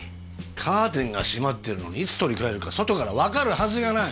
カーテンが閉まっているのにいつ取り換えるか外からわかるはずがない。